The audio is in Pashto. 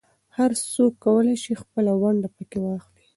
هر څوک کولای شي خپله ونډه پکې واخلي.